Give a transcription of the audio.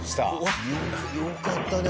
よかったね